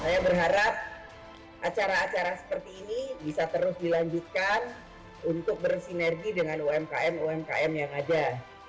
saya berharap acara acara seperti ini bisa terus dilanjutkan untuk bersinergi dengan umkm umkm yang ada